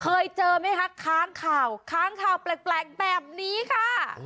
เคยเจอไหมคะค้างข่าวค้างข่าวแปลกแบบนี้ค่ะ